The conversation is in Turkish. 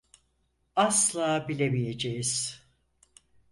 Asla bilemeyeceğiz.